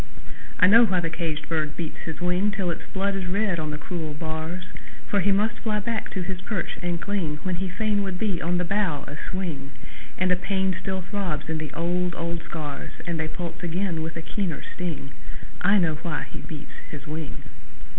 I know why the caged bird beats his wing Till its blood is red on the cruel bars; For he must fly back to his perch and cling When he fain would be on the bough a swing; And a pain still throbs in the old, old scars And they pulse again with a keener sting I know why he beats his wing!